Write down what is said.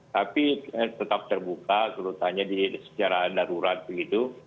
tapi tetap terbuka terutama di sejarah darurat begitu